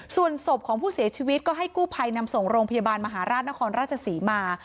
ส่วนศพของผู้เสียชีวิตก็ให้กู้ภัยนำส่งโรงพยาบาลมหาราชนครราชศรีมา